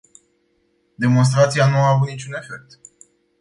Demonstrația nu a avut niciun efect.